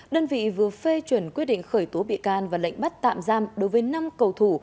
đơn vị vừa phê chuẩn quyết định khởi tố bị can và lệnh bắt tạm giam đối với năm cầu thủ